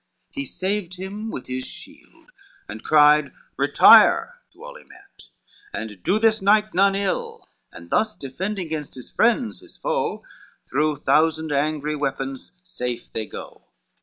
He saved him with his shield, and cried "Retire!" To all he met, "and do this knight none ill:" And thus defending gainst his friends his foe, Through thousand angry weapons safe they go.